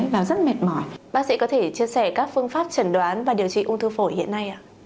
bác sĩ có thể chia sẻ các phương pháp chẩn đoán và điều trị ung thư phổi hiện nay ạ